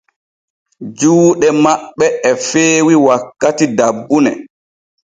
Juuɗe maɓɓ e feewi wakkati dabbune.